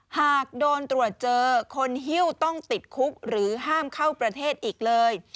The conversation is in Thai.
หากโดนตรวจเจอคนฮิ้วต้องติดคุกหรือห้ามเข้าประเทศอีกเลย